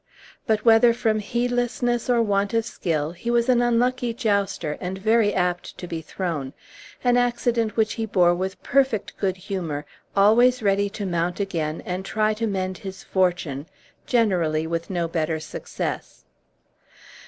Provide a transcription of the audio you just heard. But, whether from heedlessness or want of skill, he was an unlucky jouster, and very apt to be thrown, an accident which he bore with perfect good humor, always ready to mount again and try to mend his fortune, generally with no better success.